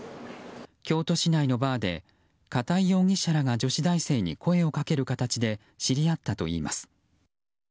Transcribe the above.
京都市内のバーで片井容疑者らが女子大生に声をかける形で知り合ったといいます。